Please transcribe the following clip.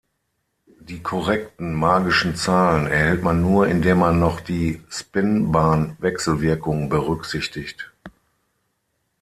Die korrekten magischen Zahlen erhält man nur, indem man noch die Spin-Bahn-Wechselwirkung berücksichtigt.